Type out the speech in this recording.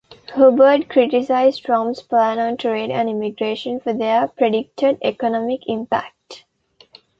Hubbard criticized Trump's plans on trade and immigration for their predicted economic impact.